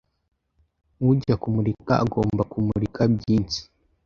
Ujya kumurika agomba kumurika byinsi